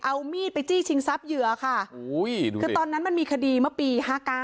เอามีดไปจี้ชิงทรัพย์เหยื่อค่ะคือตอนนั้นมันมีคดีเมื่อปี๕๙